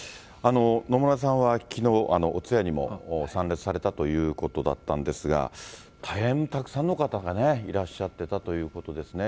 野村さんはきのう、お通夜にも参列されたということだったんですが、大変たくさんの方がね、いらっしゃってたということですね。